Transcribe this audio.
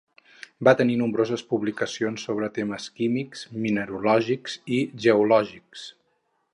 Va tenir nombroses publicacions sobre temes químics, mineralògics i geològics.